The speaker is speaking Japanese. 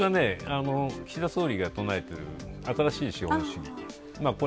岸田総理が唱えている新しい資本主義。